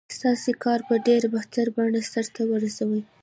ستاسې کار په ډېره بهتره بڼه سرته ورسوي.